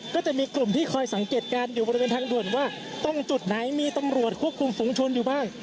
ก็จะมีกลุ่มที่คอยสังเกตการณ์อยู่บริเวณทางด่วนว่าตรงจุดไหนมีตำรวจควบคุมฝุงชนอยู่บ้าง